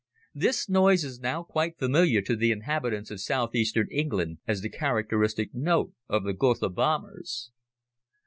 This noise is now quite familiar to the inhabitants of Southeastern England as the characteristic note of the Gotha bombers.